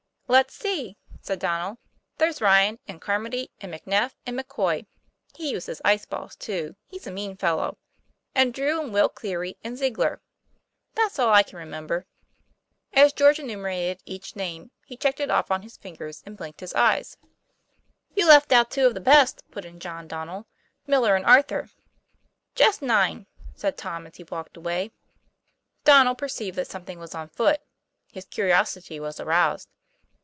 'Let's see," said Donnel. "There's Ryan and Carmody and McNeff and McCoy (he uses ice balls, too; he's a mean fellow) and Drew and Will Cleary and Ziegler. That's all I can remember." As TOM PLAY FAIR. 181 George enumerated each name he checked it off on his fingers and blinked his eyes. "You left out two of the best," put in John Don nel "Miller and Arthur." "Just nine," said Tom, as he walked away. Donnel perceived that something was on foot; his curiosity was aroused.